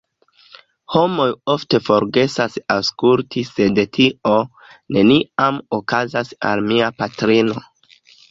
Homoj ofte forgesas aŭskulti sed tio neniam okazas al mia patrino.